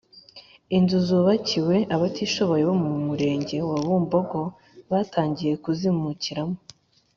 inzu zubakiwe abatishoboye bo mumurenge wa bumbogo batangiye kuzimukiramo